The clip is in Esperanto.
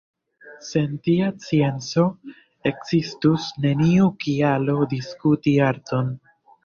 Sen tia scienco, ekzistus neniu kialo diskuti arton.